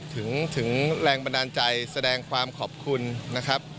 ถึงแรงบันดาลใจแสดงความขอบคุณนะครับ